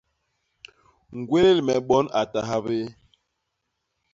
Ñgwélél me bon a ta habéé.